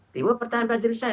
tiba tiba pertanyaan dari saya